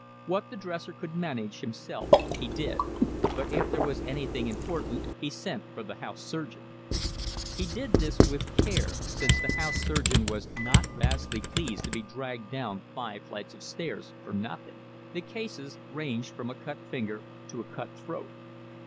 What the dresser could manage himself he did, but if there was anything important he sent for the house surgeon: he did this with care, since the house surgeon was not vastly pleased to be dragged down five flights of stairs for nothing. The cases ranged from a cut finger to a cut throat.